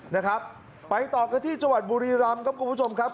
นะครับไปต่อกันที่จังหวัดบุรีรำครับคุณผู้ชมครับ